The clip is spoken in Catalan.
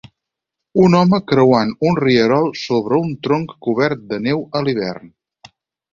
Un home creuant un rierol sobre un tronc cobert de neu a l'hivern.